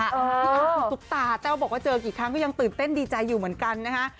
พี่อ้ามสุขตาแต่ว่าเจอกี่ครั้งก็ยังตื่นเต้นดีใจอยู่เหมือนกันนะคะ